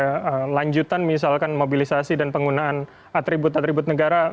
ada lanjutan misalkan mobilisasi dan penggunaan atribut atribut negara